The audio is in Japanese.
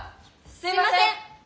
すいません！